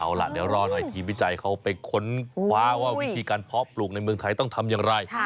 เอาล่ะเดี๋ยวรอหน่อยทีมวิจัยเขาไปค้นคว้าว่าวิธีการเพาะปลูกในเมืองไทยต้องทำอย่างไร